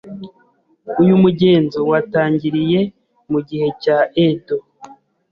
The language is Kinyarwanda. Uyu mugenzo watangiriye mugihe cya Edo.